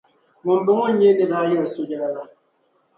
Ŋumbɔŋɔ n-nyɛ n ni daa yɛli so yɛla la.